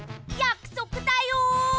やくそくだよ！